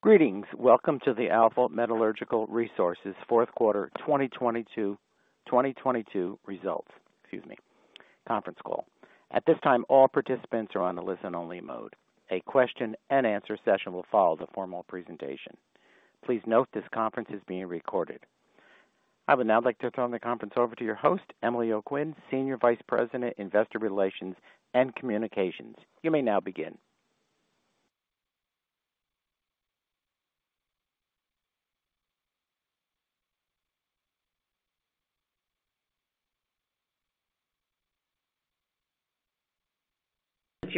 Greetings. Welcome to the Alpha Metallurgical Resources fourth quarter 2022 results conference call. At this time, all participants are on listen-only mode. A question-and-answer session will follow the formal presentation. Please note this conference is being recorded. I would now like to turn the conference over to your host, Emily O'Quinn, Senior Vice President, Investor Relations and Communications. You may now begin.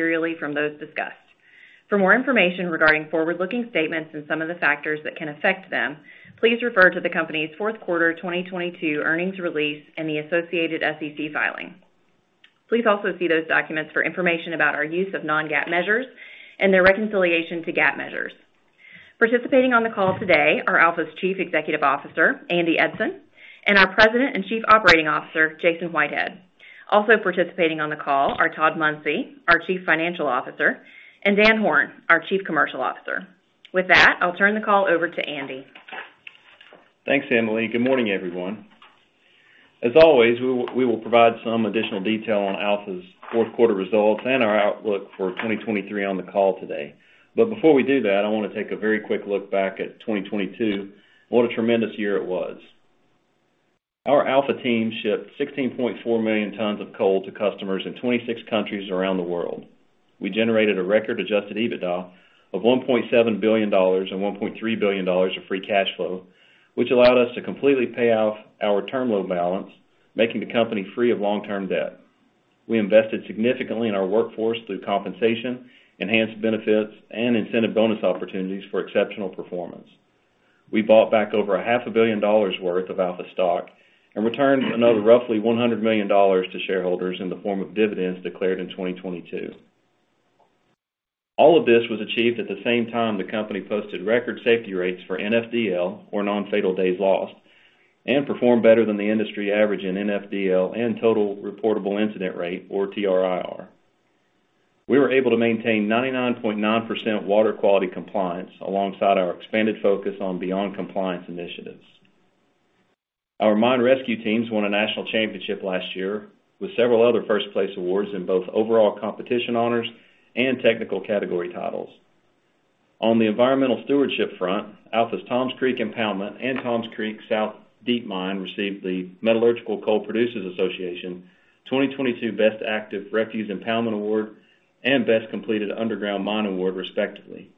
Materially from those discussed. For more information regarding forward-looking statements and some of the factors that can affect them, please refer to the company's fourth quarter 2022 earnings release and the associated SEC filing. Please also see those documents for information about our use of non-GAAP measures and their reconciliation to GAAP measures. Participating on the call today are Alpha's Chief Executive Officer, Andy Eidson, and our President and Chief Operating Officer, Jason Whitehead. Also participating on the call are Todd Munsey, our Chief Financial Officer, and Dan Horn, our Chief Commercial Officer. With that, I'll turn the call over to Andy. Thanks, Emily. Good morning, everyone. As always, we will provide some additional detail on Alpha's fourth quarter results and our outlook for 2023 on the call today. Before we do that, I wanna take a very quick look back at 2022. What a tremendous year it was. Our Alpha team shipped 16.4 million tons of coal to customers in 26 countries around the world. We generated a record adjusted EBITDA of $1.7 billion and $1.3 billion of free cash flow, which allowed us to completely pay off our term loan balance, making the company free of long-term debt. We invested significantly in our workforce through compensation, enhanced benefits, and incentive bonus opportunities for exceptional performance. We bought back over a half a billion dollars' worth of Alpha stock and returned another roughly $100 million to shareholders in the form of dividends declared in 2022. All of this was achieved at the same time the company posted record safety rates for NFDL, or non-fatal days lost, and performed better than the industry average in NFDL and total reportable incident rate, or TRIR. We were able to maintain 99.9% water quality compliance alongside our expanded focus on beyond-compliance initiatives. Our mine rescue teams won a national championship last year with several other first-place awards in both overall competition honors and technical category titles. On the environmental stewardship front, Alpha's Tom's Creek Impoundment and Tom's Creek South Deep Mine received the Metallurgical Coal Producers Association 2022 Best Active Refuse Impoundment Award and Best Completed Underground Mine Award, respectively.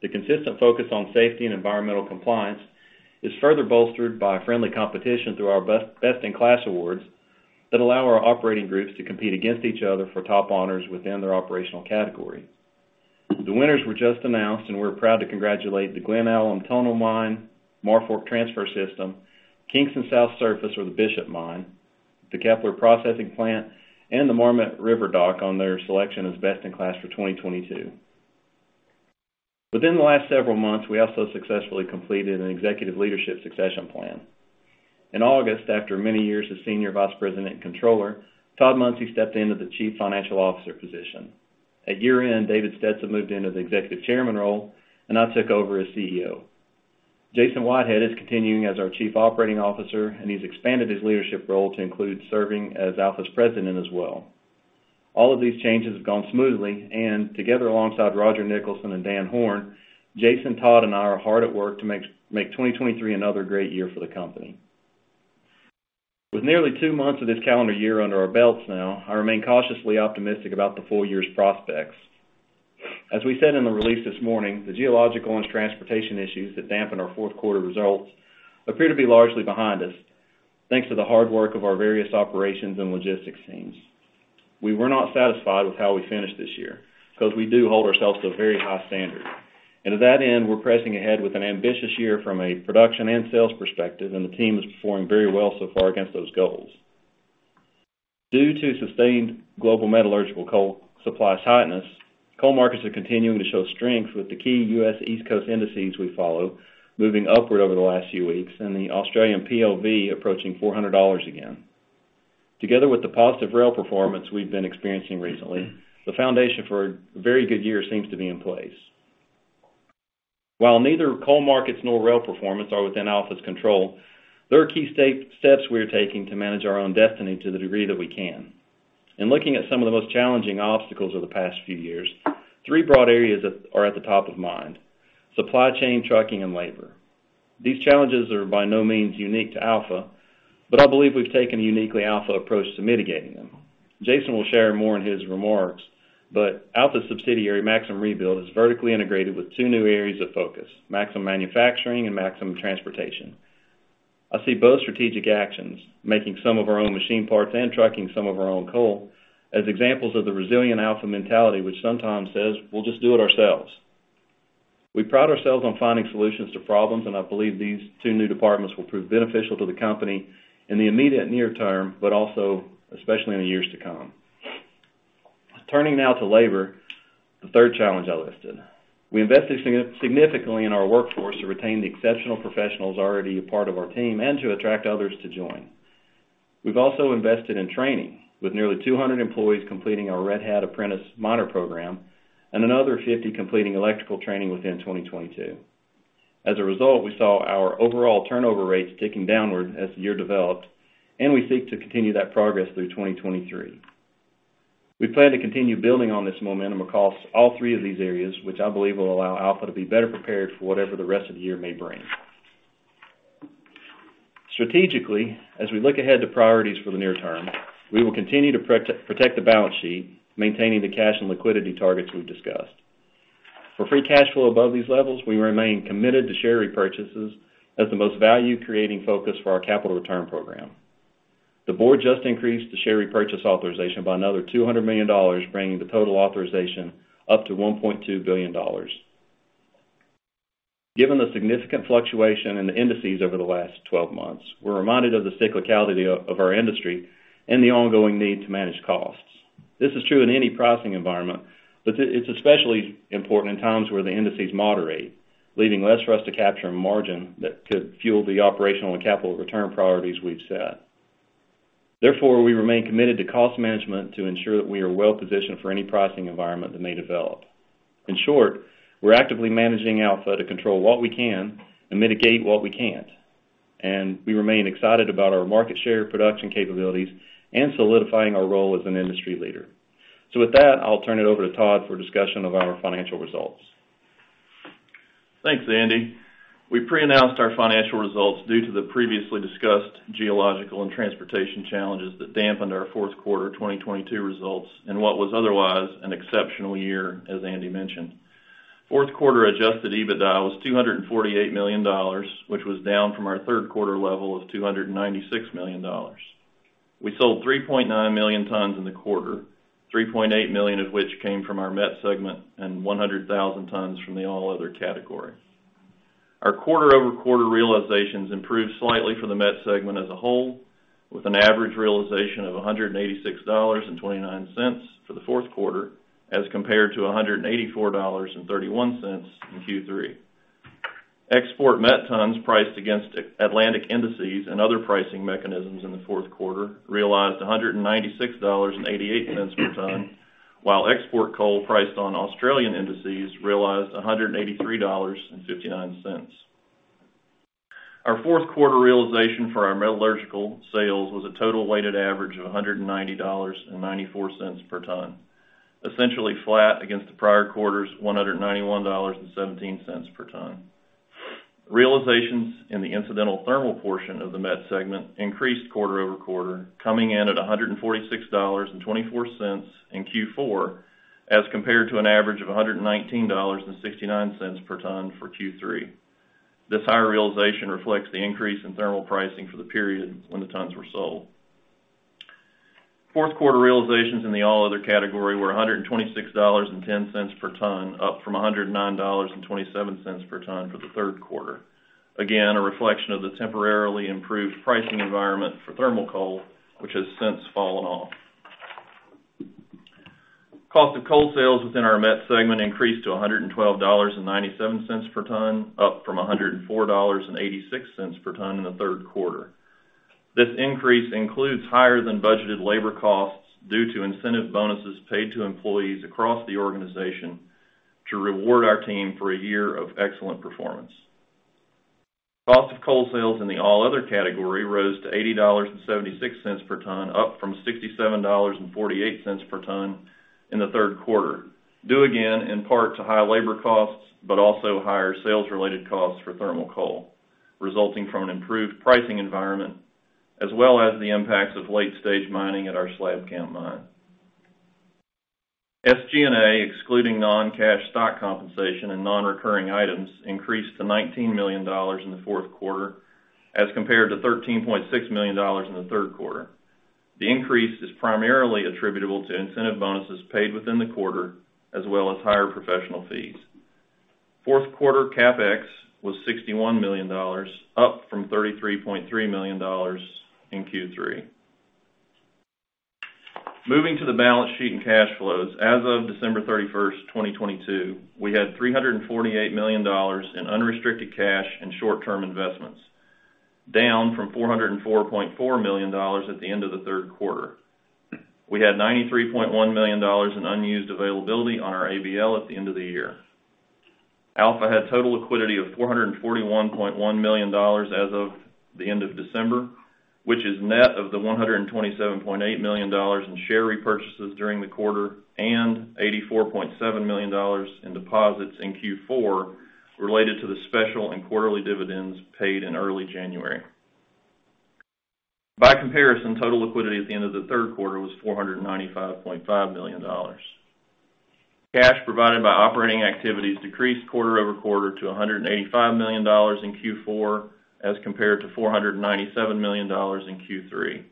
The consistent focus on safety and environmental compliance is further bolstered by friendly competition through our best-in-class awards that allow our operating groups to compete against each other for top honors within their operational category. The winners were just announced, we're proud to congratulate the Glen Alum Tunnel Mine, Marfork Transfer System, Kingston South Surface or the Bishop Mine, the Kepler Preparation Plant, and the Marmet River Dock on their selection as best-in-class for 2022. Within the last several months, we also successfully completed an executive leadership succession plan. In August, after many years as senior vice president and controller, Todd Munsey stepped into the Chief Financial Officer position. At year-end, David Stetson moved into the Executive Chairman role, and I took over as CEO. Jason Whitehead is continuing as our Chief Operating Officer. He's expanded his leadership role to include serving as Alpha's President as well. All of these changes have gone smoothly. Together alongside Roger Nicholson and Dan Horn, Jason, Todd, and I are hard at work to make 2023 another great year for the company. With nearly two months of this calendar year under our belts now, I remain cautiously optimistic about the full year's prospects. As we said in the release this morning, the geological and transportation issues that dampened our fourth quarter results appear to be largely behind us, thanks to the hard work of our various operations and logistics teams. We were not satisfied with how we finished this year 'cause we do hold ourselves to a very high standard. To that end, we're pressing ahead with an ambitious year from a production and sales perspective, and the team is performing very well so far against those goals. Due to sustained global metallurgical coal supply tightness, coal markets are continuing to show strength with the key U.S. East Coast indices we follow moving upward over the last few weeks and the Australian PLV approaching $400 again. Together with the positive rail performance we've been experiencing recently, the foundation for a very good year seems to be in place. While neither coal markets nor rail performance are within Alpha's control, there are key steps we are taking to manage our own destiny to the degree that we can. In looking at some of the most challenging obstacles of the past few years, three broad areas are at the top of mind: supply chain, trucking, and labor. These challenges are by no means unique to Alpha, but I believe we've taken a uniquely Alpha approach to mitigating them. Jason will share more in his remarks, but Alpha subsidiary Maxxim Rebuild is vertically integrated with two new areas of focus, Maxxim Manufacturing and Maxxim Transportation. I see both strategic actions, making some of our own machine parts and trucking some of our own coal, as examples of the resilient Alpha mentality, which sometimes says, "We'll just do it ourselves." We pride ourselves on finding solutions to problems, and I believe these two new departments will prove beneficial to the company in the immediate near term, but also especially in the years to come. Turning now to labor, the third challenge I listed. We invested significantly in our workforce to retain the exceptional professionals already a part of our team and to attract others to join. We've also invested in training, with nearly 200 employees completing our Red Hat Apprentice Monitor program and another 50 completing electrical training within 2022. As a result, we saw our overall turnover rates ticking downward as the year developed. We seek to continue that progress through 2023. We plan to continue building on this momentum across all three of these areas, which I believe will allow Alpha to be better prepared for whatever the rest of the year may bring. Strategically, as we look ahead to priorities for the near term, we will continue to protect the balance sheet, maintaining the cash and liquidity targets we've discussed. For free cash flow above these levels, we remain committed to share repurchases as the most value-creating focus for our capital return program. The board just increased the share repurchase authorization by another $200 million, bringing the total authorization up to $1.2 billion. Given the significant fluctuation in the indices over the last 12 months, we're reminded of the cyclicality of our industry and the ongoing need to manage costs. This is true in any pricing environment, but it's especially important in times where the indices moderate, leaving less for us to capture a margin that could fuel the operational and capital return priorities we've set. Therefore, we remain committed to cost management to ensure that we are well-positioned for any pricing environment that may develop. In short, we're actively managing Alpha to control what we can and mitigate what we can't. We remain excited about our market share production capabilities and solidifying our role as an industry leader. With that, I'll turn it over to Todd for discussion of our financial results. Thanks, Andy. We pre-announced our financial results due to the previously discussed geological and transportation challenges that dampened our fourth quarter 2022 results in what was otherwise an exceptional year, as Andy mentioned. Fourth quarter adjusted EBITDA was $248 million, which was down from our third quarter level of $296 million. We sold 3.9 million tons in the quarter, 3.8 million of which came from our Met segment and 100,000 tons from the all other category. Our quarter-over-quarter realizations improved slightly for the Met segment as a whole, with an average realization of $186.29 for the fourth quarter, as compared to $184.31 in Q3. Export Met tons priced against Atlantic indices and other pricing mechanisms in the fourth quarter realized $196.88 per ton, while export coal priced on Australian indices realized $183.59. Our fourth quarter realization for our metallurgical sales was a total weighted average of $190.94 per ton, essentially flat against the prior quarter's $191.17 per ton. Realizations in the incidental thermal portion of the Met segment increased quarter-over-quarter, coming in at $146.24 in Q4, as compared to an average of $119.69 per ton for Q3. This higher realization reflects the increase in thermal pricing for the period when the tons were sold. Fourth quarter realizations in the all other category were $126.10 per ton, up from $109.27 per ton for the third quarter. A reflection of the temporarily improved pricing environment for thermal coal, which has since fallen off. Cost of coal sales within our Met segment increased to $112.97 per ton, up from $104.86 per ton in the third quarter. This increase includes higher-than-budgeted labor costs due to incentive bonuses paid to employees across the organization to reward our team for a year of excellent performance. Cost of coal sales in the all other category rose to $80.76 per ton, up from $67.48 per ton in the third quarter, due again in part to high labor costs, but also higher sales-related costs for thermal coal, resulting from an improved pricing environment, as well as the impacts of late-stage mining at our Slabcamp mine. SG&A, excluding non-cash stock compensation and non-recurring items, increased to $19 million in the fourth quarter as compared to $13.6 million in the third quarter. The increase is primarily attributable to incentive bonuses paid within the quarter, as well as higher professional fees. Fourth quarter CapEx was $61 million, up from $33.3 million in Q3. Moving to the balance sheet and cash flows, as of December 31st, 2022, we had $348 million in unrestricted cash and short-term investments, down from $404.4 million at the end of the third quarter. We had $93.1 million in unused availability on our ABL at the end of the year. Alpha had total liquidity of $441.1 million as of the end of December, which is net of the $127.8 million in share repurchases during the quarter and $84.7 million in deposits in Q4 related to the special and quarterly dividends paid in early January. By comparison, total liquidity at the end of the third quarter was $495.5 million. Cash provided by operating activities decreased quarter-over-quarter to $185 million in Q4, as compared to $497 million in Q3.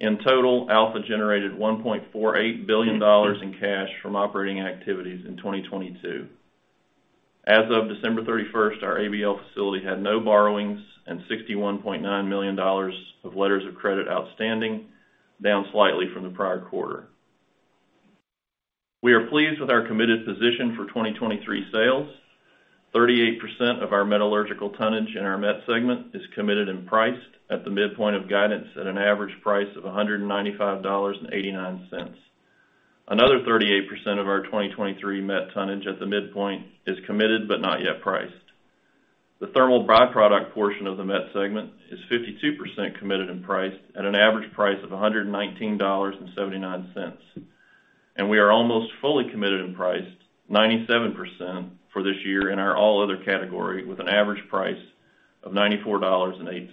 In total, Alpha generated $1.48 billion in cash from operating activities in 2022. As of December 31st, our ABL facility had no borrowings and $61.9 million of letters of credit outstanding, down slightly from the prior quarter. We are pleased with our committed position for 2023 sales. 38% of our metallurgical tonnage in our Met segment is committed and priced at the midpoint of guidance at an average price of $195.89. Another 38% of our 2023 Met tonnage at the midpoint is committed but not yet priced. The thermal by-product portion of the Met segment is 52% committed and priced at an average price of $119.79. We are almost fully committed and priced 97% for this year in our all other category with an average price of $94.08.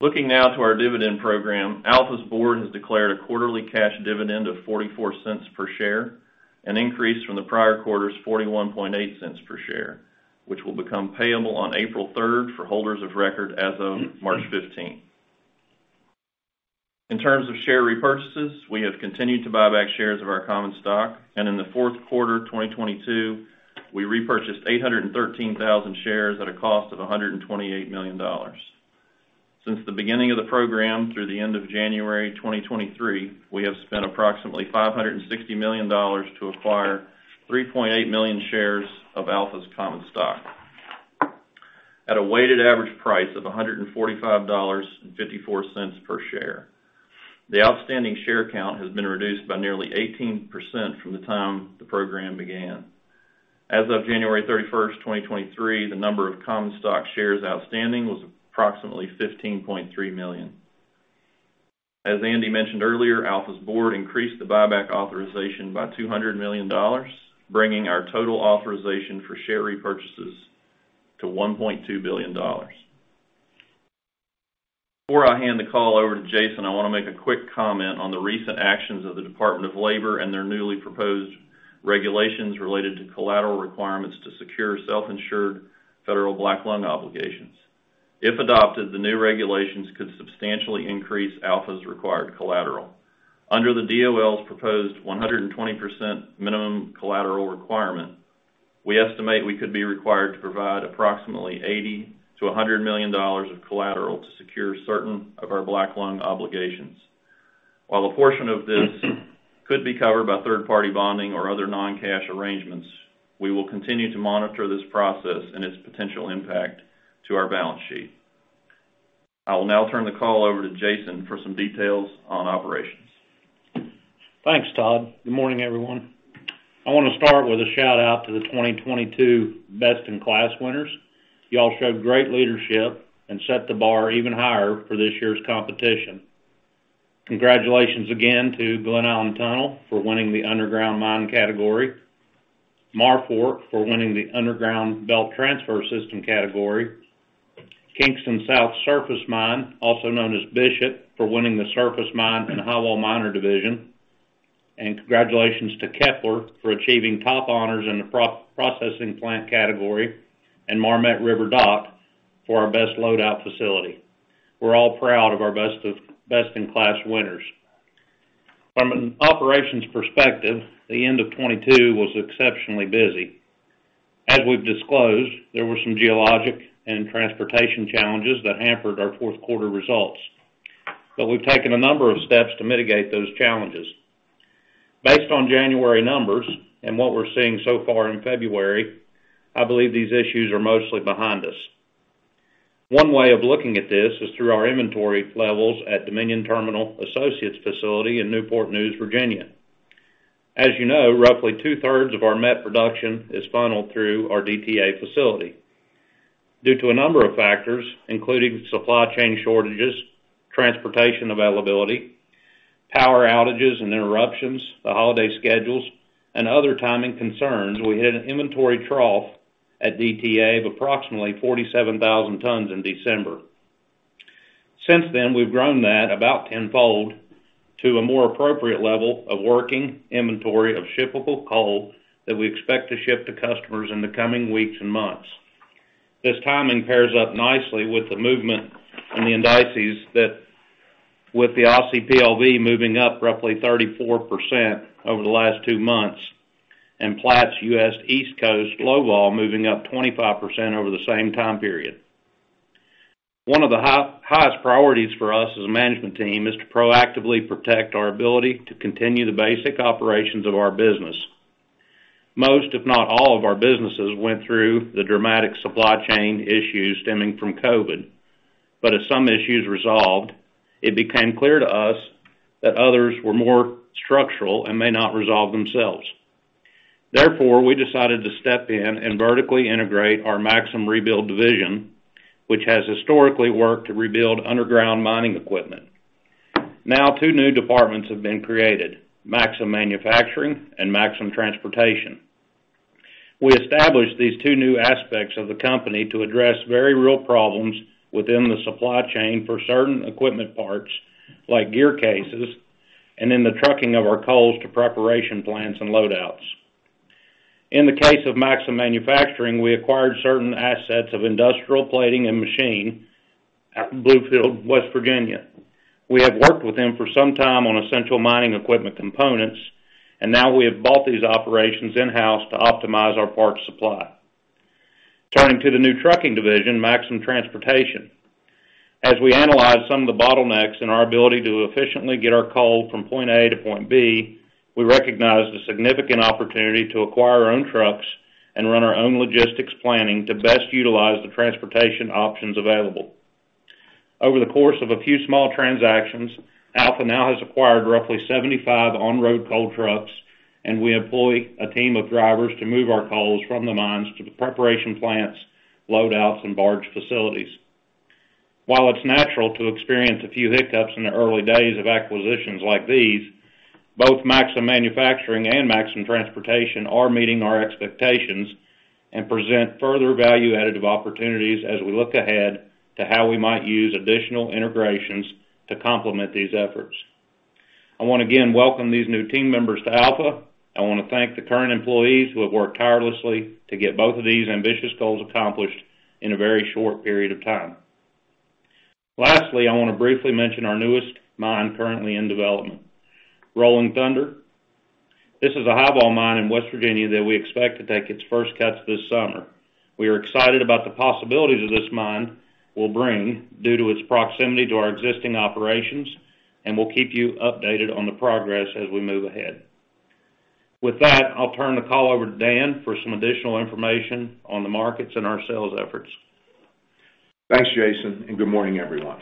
Looking now to our dividend program, Alpha's board has declared a quarterly cash dividend of $0.44 per share, an increase from the prior quarter's $0.418 per share, which will become payable on April 3rd for holders of record as of March 15th. In terms of share repurchases, we have continued to buy back shares of our common stock, and in the fourth quarter of 2022, we repurchased 813,000 shares at a cost of $128 million. Since the beginning of the program through the end of January 2023, we have spent approximately $560 million to acquire 3.8 million shares of Alpha's common stock. At a weighted average price of $145.54 per share. The outstanding share count has been reduced by nearly 18% from the time the program began. As of January 31st, 2023, the number of common stock shares outstanding was approximately 15.3 million. As Andy mentioned earlier, Alpha's board increased the buyback authorization by $200 million, bringing our total authorization for share repurchases to $1.2 billion. Before I hand the call over to Jason, I want to make a quick comment on the recent actions of the Department of Labor and their newly proposed regulations related to collateral requirements to secure self-insured federal black lung obligations. If adopted, the new regulations could substantially increase Alpha's required collateral. Under the DOL's proposed 120% minimum collateral requirement, we estimate we could be required to provide approximately $80 million-$100 million of collateral to secure certain of our black lung obligations. While a portion of this could be covered by third-party bonding or other non-cash arrangements, we will continue to monitor this process and its potential impact to our balance sheet. I will now turn the call over to Jason for some details on operations. Thanks, Todd. Good morning, everyone. I want to start with a shout-out to the 2022 Best-in-Class winners. Y'all showed great leadership and set the bar even higher for this year's competition. Congratulations again to Glen Alum Tunnel for winning the underground mine category, Marfork for winning the underground belt transfer system category, Kingston South Surface Mine, also known as Bishop, for winning the surface mine and highwall miner division. Congratulations to Kepler for achieving top honors in the pro-processing plant category, and Marmet River Dock for our best loadout facility. We're all proud of our Best-in-Class winners. From an operations perspective, the end of 2022 was exceptionally busy. As we've disclosed, there were some geologic and transportation challenges that hampered our fourth quarter results. We've taken a number of steps to mitigate those challenges. Based on January numbers and what we're seeing so far in February, I believe these issues are mostly behind us. One way of looking at this is through our inventory levels at Dominion Terminal Associates facility in Newport News, Virginia. You know, roughly two-thirds of our met production is funneled through our DTA facility. Due to a number of factors, including supply chain shortages, transportation availability, power outages and interruptions, the holiday schedules, and other timing concerns, we hit an inventory trough at DTA of approximately 47,000 tons in December. Since then, we've grown that about tenfold to a more appropriate level of working inventory of shippable coal that we expect to ship to customers in the coming weeks and months. This timing pairs up nicely with the movement in the indices that with the Aussie PLV moving up roughly 34% over the last two months, and Platts U.S. East Coast Low Vol moving up 25% over the same time period. One of the highest priorities for us as a management team is to proactively protect our ability to continue the basic operations of our business. Most, if not all, of our businesses went through the dramatic supply chain issues stemming from COVID. As some issues resolved, it became clear to us that others were more structural and may not resolve themselves. Therefore, we decided to step in and vertically integrate our Maxxim Rebuild division, which has historically worked to rebuild underground mining equipment. Now, two new departments have been created: Maxxim Manufacturing and Maxxim Transportation. We established these two new aspects of the company to address very real problems within the supply chain for certain equipment parts, like gear cases, and in the trucking of our coals to preparation plants and loadouts. In the case of Maxxim Manufacturing, we acquired certain assets of Industrial Plating & Machine at Bluefield, West Virginia. We have worked with them for some time on essential mining equipment components, and now we have bought these operations in-house to optimize our parts supply. According to the new trucking division, Maxxim Transportation, as we analyze some of the bottlenecks in our ability to efficiently get our coal from point A to point B, we recognize the significant opportunity to acquire our own trucks and run our own logistics planning to best utilize the transportation options available. Over the course of a few small transactions, Alpha now has acquired roughly 75 on-road coal trucks, we employ a team of drivers to move our coals from the mines to the preparation plants, load outs, and barge facilities. While it's natural to experience a few hiccups in the early days of acquisitions like these, both Maxxim Manufacturing and Maxxim Transportation are meeting our expectations and present further value additive opportunities as we look ahead to how we might use additional integrations to complement these efforts. I want to, again, welcome these new team members to Alpha. I want to thank the current employees who have worked tirelessly to get both of these ambitious goals accomplished in a very short period of time. Lastly, I want to briefly mention our newest mine currently in development. Rolling Thunder. This is a highwall mine in West Virginia that we expect to take its first cuts this summer. We are excited about the possibilities of this mine will bring due to its proximity to our existing operations, and we'll keep you updated on the progress as we move ahead. With that, I'll turn the call over to Dan for some additional information on the markets and our sales efforts. Thanks, Jason. Good morning, everyone.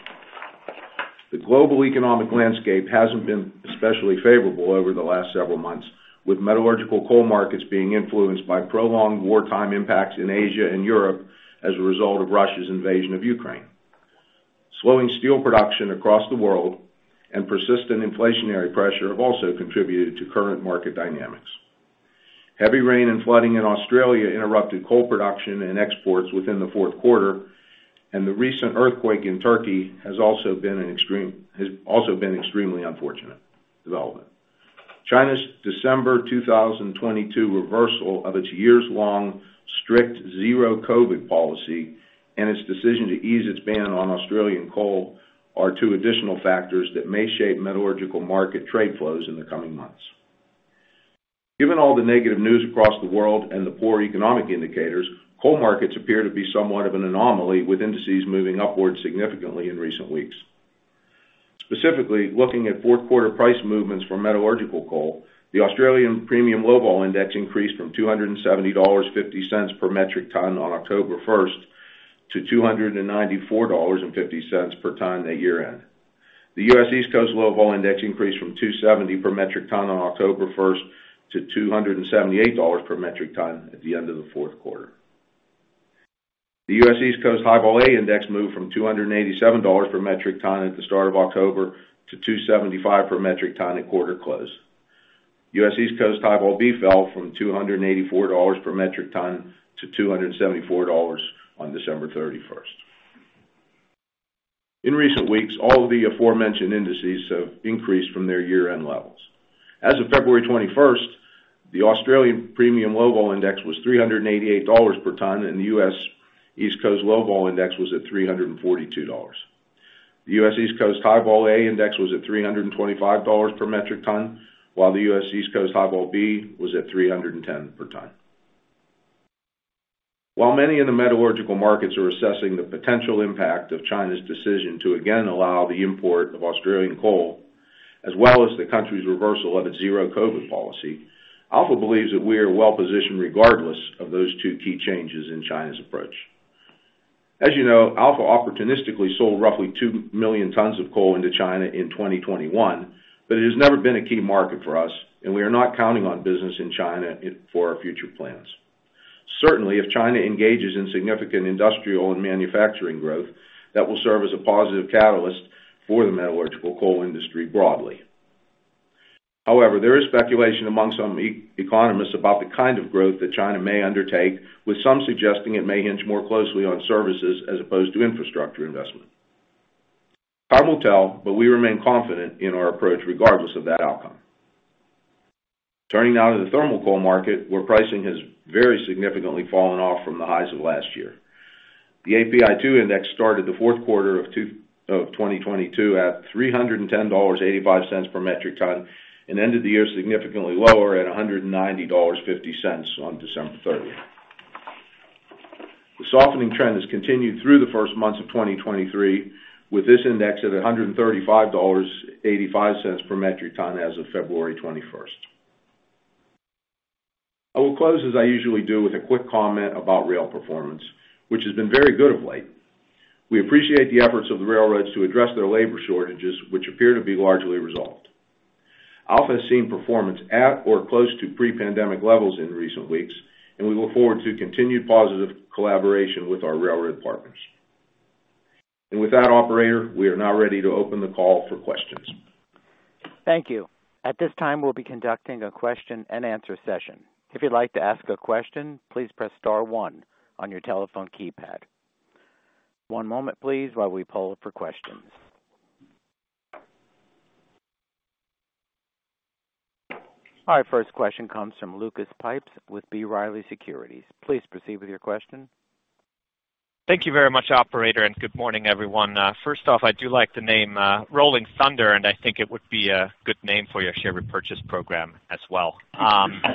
The global economic landscape hasn't been especially favorable over the last several months, with metallurgical coal markets being influenced by prolonged wartime impacts in Asia and Europe as a result of Russia's invasion of Ukraine. Slowing steel production across the world and persistent inflationary pressure have also contributed to current market dynamics. Heavy rain and flooding in Australia interrupted coal production and exports within the fourth quarter, and the recent earthquake in Turkey has also been extremely unfortunate development. China's December 2022 reversal of its years-long strict zero-COVID policy and its decision to ease its ban on Australian coal are two additional factors that may shape metallurgical market trade flows in the coming months. Given all the negative news across the world and the poor economic indicators, coal markets appear to be somewhat of an anomaly, with indices moving upwards significantly in recent weeks. Specifically, looking at fourth quarter price movements for metallurgical coal, the Australian Premium Low Vol index increased from $270.50 per metric ton on October 1st to $294.50 per ton at year-end. The U.S. East Coast Low-Vol index increased from $270 per metric ton on October first to $278 per metric ton at the end of the fourth quarter. The U.S. East Coast High-Vol A index moved from $287 per metric ton at the start of October to $275 per metric ton at quarter close. U.S. East Coast High-Vol B fell from $284 per metric ton to $274 on December 31st. In recent weeks, all of the aforementioned indices have increased from their year-end levels. As of February 21st, the Australian Premium Low-Vol index was $388 per ton, and the U.S. East Coast Low-Vol index was at $342. The U.S. East Coast High-Vol A index was at $325 per metric ton, while the U.S. East Coast High-Vol B was at $310 per ton. While many of the metallurgical markets are assessing the potential impact of China's decision to again allow the import of Australian coal, as well as the country's reversal of its zero-COVID policy, Alpha believes that we are well-positioned regardless of those two key changes in China's approach. You know, Alpha opportunistically sold roughly 2 million tons of coal into China in 2021. It has never been a key market for us. We are not counting on business in China for our future plans. Certainly, if China engages in significant industrial and manufacturing growth, that will serve as a positive catalyst for the metallurgical coal industry broadly. However, there is speculation among some e-economists about the kind of growth that China may undertake, with some suggesting it may hinge more closely on services as opposed to infrastructure investment. Time will tell, but we remain confident in our approach regardless of that outcome. Turning now to the thermal coal market, where pricing has very significantly fallen off from the highs of last year. The API 2 index started the fourth quarter of 2022 at $310.85 per metric ton and ended the year significantly lower at $190.50 on December 30th. The softening trend has continued through the 1st months of 2023, with this index at $135.85 per metric ton as of February 21st. I will close, as I usually do, with a quick comment about rail performance, which has been very good of late. We appreciate the efforts of the railroads to address their labor shortages, which appear to be largely resolved. Alpha has seen performance at or close to pre-pandemic levels in recent weeks. We look forward to continued positive collaboration with our railroad partners. With that operator, we are now ready to open the call for questions. Thank you. At this time, we'll be conducting a question-and-answer session. If you'd like to ask a question, please press star one on your telephone keypad. One moment, please, while we poll for questions. Our first question comes from Lucas Pipes with B. Riley Securities. Please proceed with your question. Thank you very much, operator, and good morning, everyone. First off, I do like the name, Rolling Thunder, and I think it would be a good name for your share repurchase program as well. My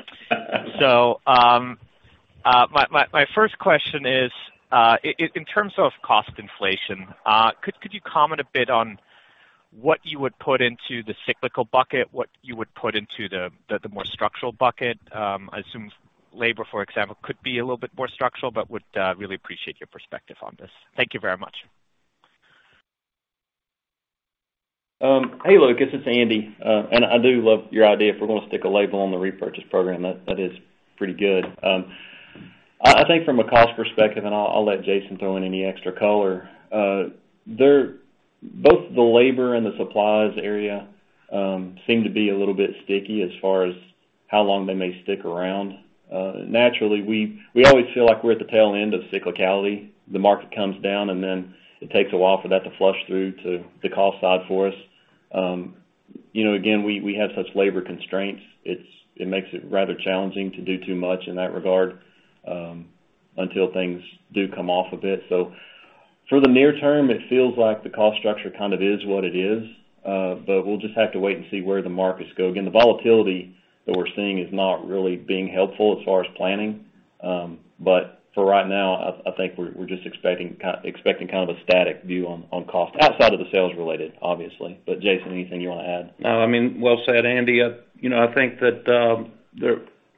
first question is, in terms of cost inflation, could you comment a bit on what you would put into the cyclical bucket, what you would put into the more structural bucket? I assume labor, for example, could be a little bit more structural, but would really appreciate your perspective on this. Thank you very much. Hey, Lucas. It's Andy. I do love your idea if we're gonna stick a label on the repurchase program. That is pretty good. I think from a cost perspective, and I'll let Jason throw in any extra color, there. Both the labor and the supplies area seem to be a little bit sticky as far as how long they may stick around. Naturally, we always feel like we're at the tail end of cyclicality. The market comes down, and then it takes a while for that to flush through to the cost side for us. You know, again, we have such labor constraints. It makes it rather challenging to do too much in that regard until things do come off a bit. For the near term, it feels like the cost structure kind of is what it is, but we'll just have to wait and see where the markets go. Again, the volatility that we're seeing is not really being helpful as far as planning. For right now, I think we're just expecting kind of a static view on cost outside of the sales related, obviously. Jason, anything you wanna add? No. I mean, well said, Andy. You know, I think that,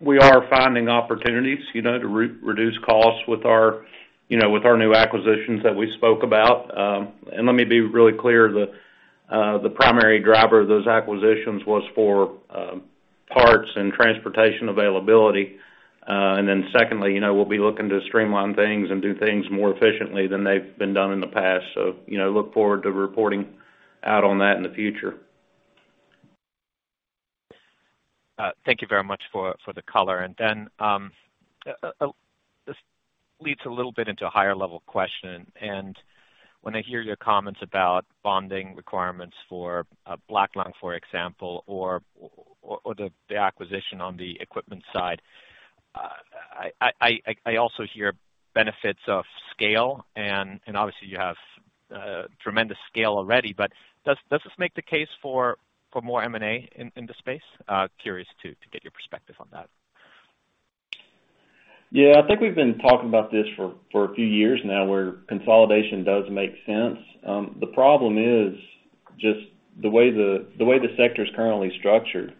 we are finding opportunities, you know, to reduce costs with our, you know, with our new acquisitions that we spoke about. Let me be really clear. The primary driver of those acquisitions was for parts and transportation availability. Then secondly, you know, we'll be looking to streamline things and do things more efficiently than they've been done in the past. You know, look forward to reporting out on that in the future. Thank you very much for the color. Then, this leads a little bit into a higher level question. When I hear your comments about bonding requirements for black lung, for example, or the acquisition on the equipment side, I also hear benefits of scale and obviously you have tremendous scale already. Does this make the case for more M&A in the space? Curious to get your perspective on that. Yeah. I think we've been talking about this for a few years now, where consolidation does make sense. The problem is just the way the sector is currently structured,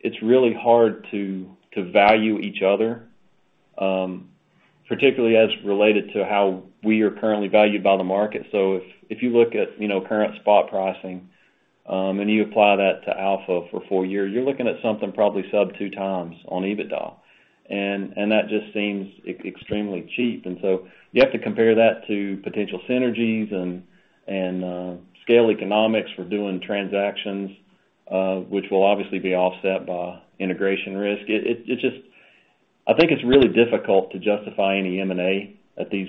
it's really hard to value each other, particularly as related to how we are currently valued by the market. If you look at, you know, current spot pricing, and you apply that to Alpha for four years, you're looking at something probably sub two times on EBITDA. That just seems extremely cheap. You have to compare that to potential synergies and scale economics for doing transactions, which will obviously be offset by integration risk. It just I think it's really difficult to justify any M&A at these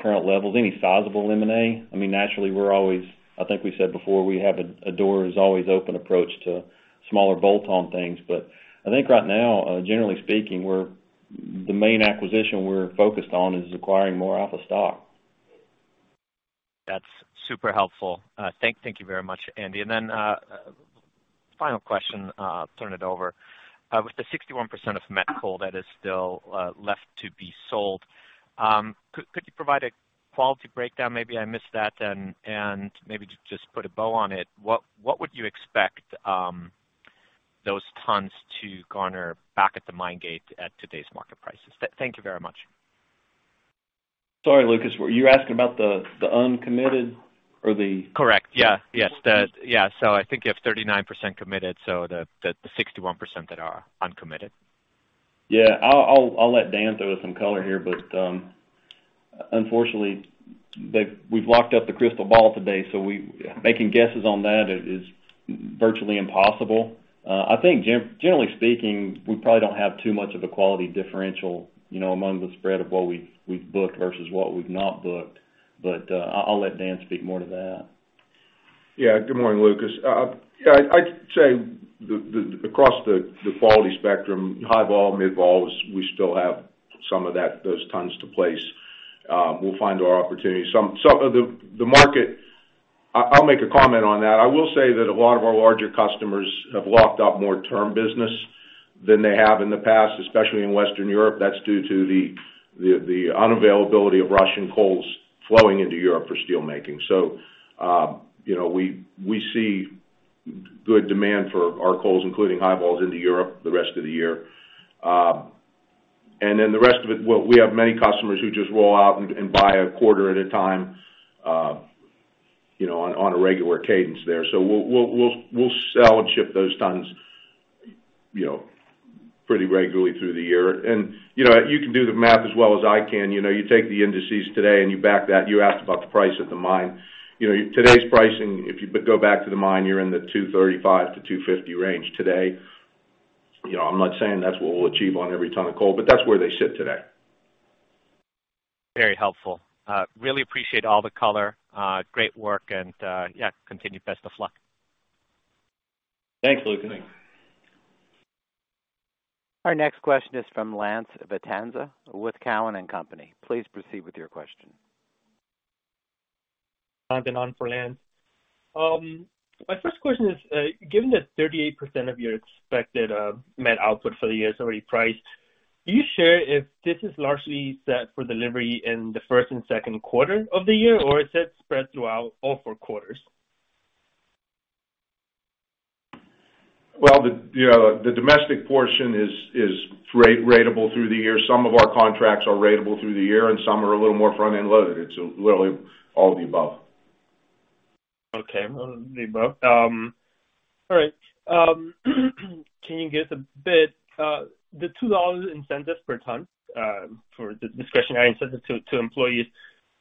current levels, any sizable M&A. I mean, naturally, we're always... I think we said before, we have a door is always open approach to smaller bolt-on things. I think right now, generally speaking, the main acquisition we're focused on is acquiring more Alpha stock. That's super helpful. Thank you very much, Andy. Final question, and I'll turn it over. With the 61% of met coal that is still left to be sold, could you provide a quality breakdown? Maybe I missed that. Maybe just put a bow on it. What would you expect those tons to garner back at the mine gate at today's market prices? Thank you very much. Sorry, Lucas. Were you asking about the uncommitted or the? Correct. Yeah. Yes. Yeah. I think you have 39% committed, the 61% that are uncommitted. Yeah. I'll let Dan throw some color here. Unfortunately, we've locked up the crystal ball today. Making guesses on that is virtually impossible. I think generally speaking, we probably don't have too much of a quality differential, you know, among the spread of what we've booked versus what we've not booked. I'll let Dan speak more to that. Good morning, Lucas. I'd say across the quality spectrum, high vol, mid vol, we still have some of that, those tons to place. We'll find our opportunities. Some of the market, I'll make a comment on that. I will say that a lot of our larger customers have locked up more term business than they have in the past, especially in Western Europe. That's due to the unavailability of Russian coals flowing into Europe for steel making. You know, we see good demand for our coals, including high vols into Europe the rest of the year. The rest of it, well, we have many customers who just roll out and buy a quarter at a time, you know, on a regular cadence there. We'll sell and ship those tons, you know, pretty regularly through the year. You know, you can do the math as well as I can. You know, you take the indices today and you back that. You asked about the price at the mine. You know, today's pricing, if you go back to the mine, you're in the $235-$250 range today. You know, I'm not saying that's what we'll achieve on every ton of coal, but that's where they sit today. Very helpful. Really appreciate all the color. Great work and, yeah, continued best of luck. Thanks, Lucas. Our next question is from Lance Vitanza with Cowen and Company. Please proceed with your question. On for Lance. My first question is, given that 38% of your expected met output for the year is already priced, can you share if this is largely set for delivery in the first and second quarter of the year, or is it spread throughout all four quarters? Well, you know, the domestic portion is ratable through the year. Some of our contracts are ratable through the year, and some are a little more front-end loaded. It's literally all of the above. Okay. All of the above. All right. Can you give us the $2 incentive per ton for the discretionary incentive to employees,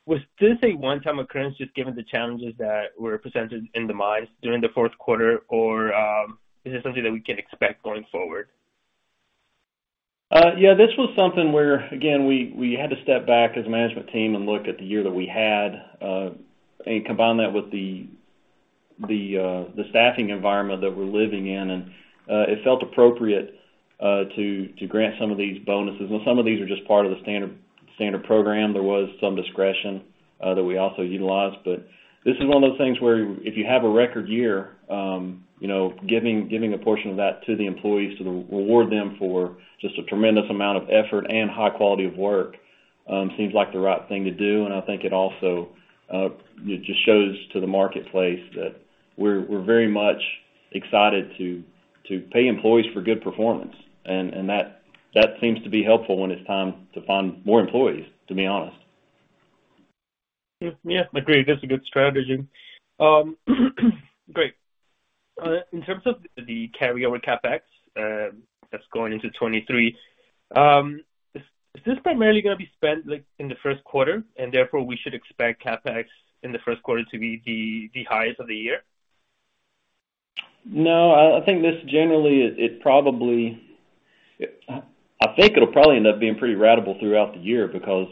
was this a one-time occurrence just given the challenges that were presented in the mines during the fourth quarter? Or is this something that we can expect going forward? Yeah, this was something where, again, we had to step back as a management team and look at the year that we had and combine that with the staffing environment that we're living in. It felt appropriate to grant some of these bonuses. Well, some of these are just part of the standard program. There was some discretion that we also utilized. This is one of those things where if you have a record year, you know, giving a portion of that to the employees to reward them for just a tremendous amount of effort and high quality of work, seems like the right thing to do. I think it also, it just shows to the marketplace that we're very much excited to pay employees for good performance. That seems to be helpful when it's time to find more employees, to be honest. Yeah, agree. That's a good strategy. Great. In terms of the carryover CapEx, that's going into 2023, is this primarily gonna be spent, like, in the first quarter, and therefore we should expect CapEx in the first quarter to be the highest of the year? No, I think this generally it probably, I think it'll probably end up being pretty ratable throughout the year because,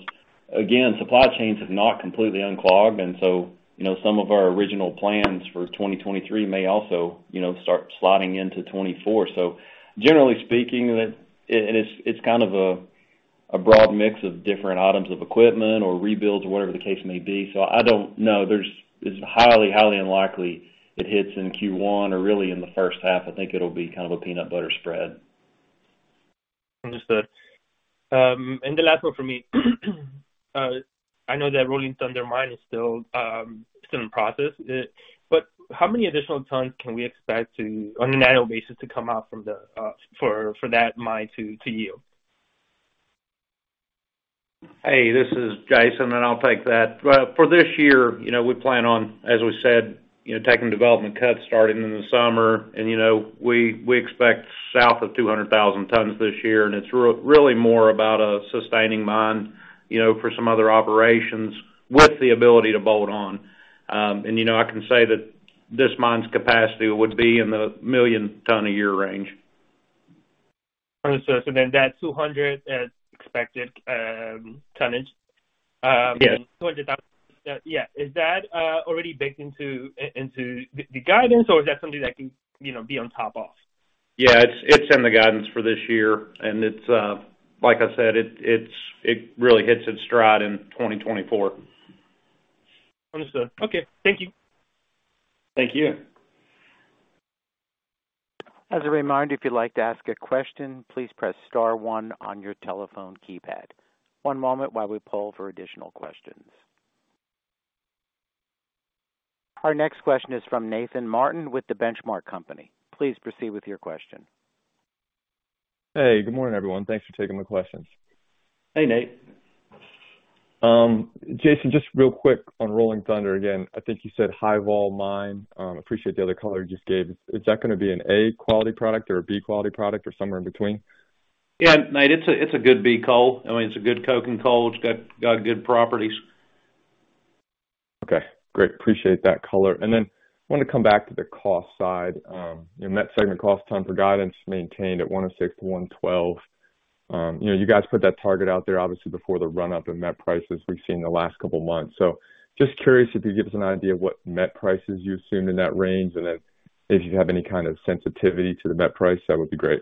again, supply chains have not completely unclogged. You know, some of our original plans for 2023 may also, you know, start sliding into 2024. Generally speaking, it, and it's kind of a broad mix of different items of equipment or rebuilds or whatever the case may be. I don't know. It's highly unlikely it hits in Q1 or really in the first half. I think it'll be kind of a peanut butter spread. Understood. The last one for me. I know that Rolling Thunder mine is still in process. How many additional tons can we expect to, on an annual basis, to come out for that mine to yield? Hey, this is Jason. I'll take that. Well, for this year, you know, we plan on, as we said, you know, taking development cuts starting in the summer. You know, we expect south of 200,000 tons this year. It's really more about a sustaining mine, you know, for some other operations with the ability to bolt on. You know, I can say that this mine's capacity would be in the 1 million ton a year range. Understood. That 200,000 expected tonnage. Yes. $200,000 tons. Yeah. Is that already baked into the guidance, or is that something that can, you know, be on top of? Yeah. It's, it's in the guidance for this year. It's, like I said, it really hits its stride in 2024. Understood. Okay. Thank you. Thank you. As a reminder, if you'd like to ask a question, please press star one on your telephone keypad. One moment while we poll for additional questions. Our next question is from Nathan Martin with The Benchmark Company. Please proceed with your question. Hey, good morning, everyone. Thanks for taking the questions. Hey, Nate. Jason, just real quick on Rolling Thunder again. I think you said high vol mine. Appreciate the other color you just gave. Is that gonna be an A quality product or a B quality product or somewhere in between? Yeah, Nate, it's a good B coal. I mean, it's a good coking coal. It's got good properties. Okay. Great. Appreciate that color. Wanted to come back to the cost side. Your Met segment cost ton for guidance maintained at $106-$112. You know, you guys put that target out there obviously before the run-up in Met prices we've seen in the last couple of months. Just curious if you could give us an idea of what Met prices you assumed in that range. If you have any kind of sensitivity to the Met price, that would be great.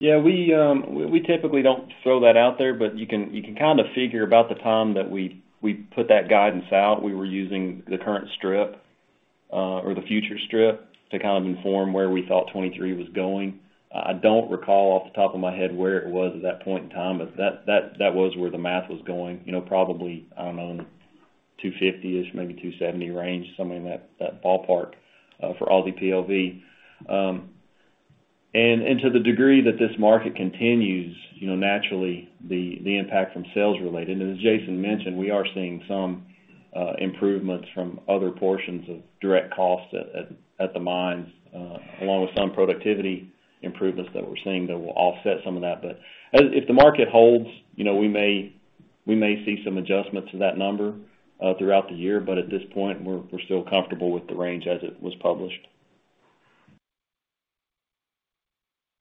We typically don't throw that out there, but you can kind of figure about the time that we put that guidance out, we were using the current strip or the future strip to kind of inform where we thought 2023 was going. I don't recall off the top of my head where it was at that point in time, but that was where the math was going. You know, probably, I don't know, $250-ish, maybe $270 range, somewhere in that ballpark for all the PLV. To the degree that this market continues, you know, naturally the impact from sales related. As Jason mentioned, we are seeing some improvements from other portions of direct costs at the mines, along with some productivity improvements that we're seeing that will offset some of that. If the market holds, you know, we may see some adjustments to that number throughout the year. At this point, we're still comfortable with the range as it was published.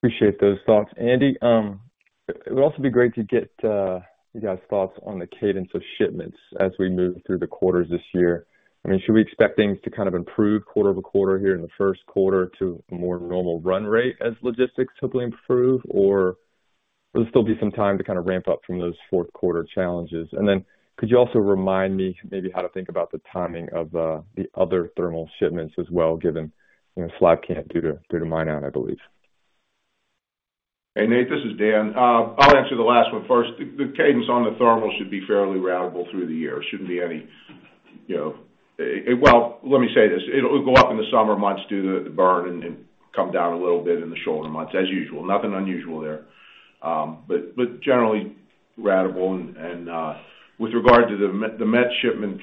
Appreciate those thoughts. Andy, It would also be great to get you guys' thoughts on the cadence of shipments as we move through the quarters this year. I mean, should we expect things to kind of improve quarter over quarter here in the first quarter to a more normal run rate as logistics hopefully improve? Or will there still be some time to kind of ramp up from those fourth quarter challenges? Could you also remind me maybe how to think about the timing of the other thermal shipments as well, given, you know, Slabcamp due to, due to mine out, I believe. Hey, Nate, this is Dan. I'll answer the last one first. The cadence on the thermal should be fairly ratable through the year. Shouldn't be any, you know... Well, let me say this, it'll go up in the summer months due to the burn and come down a little bit in the shorter months as usual. Nothing unusual there. But generally ratable. With regard to the met shipment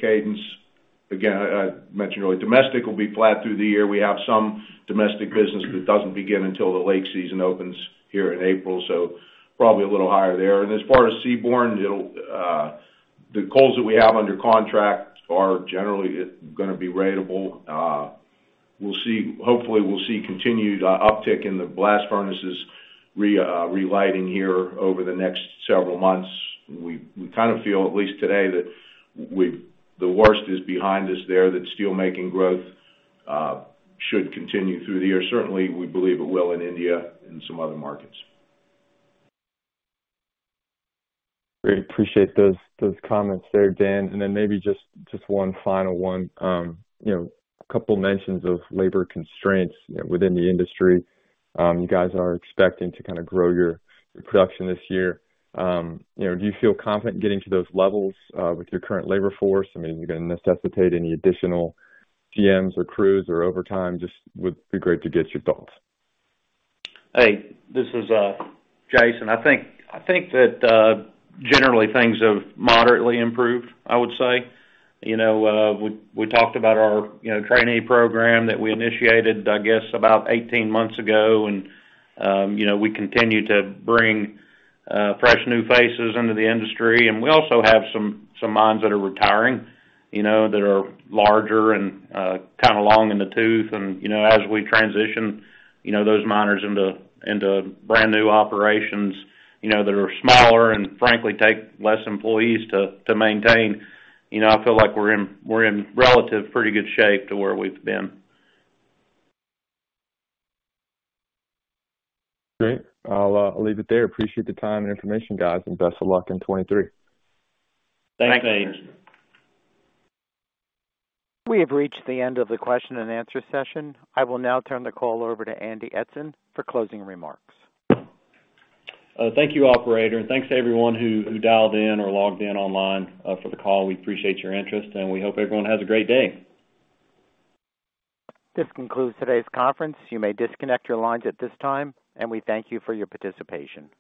cadence, again, I mentioned earlier, domestic will be flat through the year. We have some domestic business that doesn't begin until the lake season opens here in April, so probably a little higher there. As far as seaborne, the coals that we have under contract are generally gonna be ratable. Hopefully, we'll see continued, uptick in the blast furnaces relighting here over the next several months. We kind of feel, at least today, that the worst is behind us there, that steelmaking growth should continue through the year. Certainly, we believe it will in India and some other markets. Great. Appreciate those comments there, Dan. Then maybe just one final one. You know, a couple mentions of labor constraints within the industry. You guys are expecting to kind of grow your production this year. You know, do you feel confident getting to those levels with your current labor force? I mean, are you gonna necessitate any additional GMs or crews or overtime? Just would be great to get your thoughts. Hey, this is Jason. I think that generally things have moderately improved, I would say. You know, we talked about our, you know, trainee program that we initiated, I guess, about 18 months ago. You know, we continue to bring fresh new faces into the industry. We also have some mines that are retiring, you know, that are larger and kind of long in the tooth. You know, as we transition, you know, those miners into brand new operations, you know, that are smaller and frankly take less employees to maintain, you know, I feel like we're in relative pretty good shape to where we've been. Great. I'll leave it there. Appreciate the time and information, guys, and best of luck in 2023. Thanks, Nate. Thanks. We have reached the end of the question and answer session. I will now turn the call over to Andy Eidson for closing remarks. Thank you, operator, and thanks to everyone who dialed in or logged in online for the call. We appreciate your interest, and we hope everyone has a great day. This concludes today's conference. You may disconnect your lines at this time. We thank you for your participation.